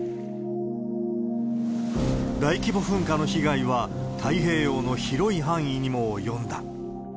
大規模噴火の被害は太平洋の広い範囲にも及んだ。